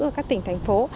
ở các tỉnh thành phố